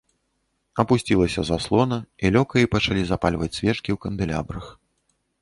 Апусцілася заслона, і лёкаі пачалі запальваць свечкі ў кандэлябрах.